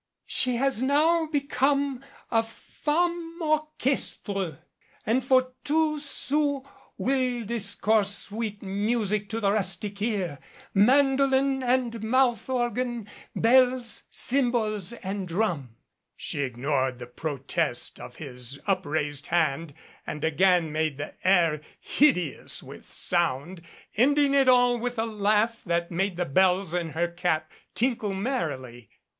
She has now become a Femme Orchestre and for two sous will discourse sweet music to the rustic ear man dolin and mouth organ, bells, cymbals and drum " She ignored the protest of his upraised hand and again made the air hideous with sound, ending it all with a laugh that made the bells in her cap tinkle merrily.